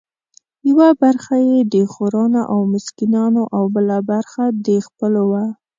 یوه برخه یې د خورانو او مسکینانو او بله برخه د خپلو وه.